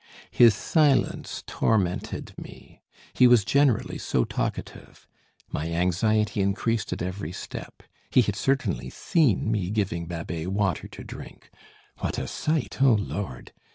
His silence tormented me. He was generally so talkative. My anxiety increased at each step. He had certainly seen me giving Babet water to drink. What a sight, O Lord!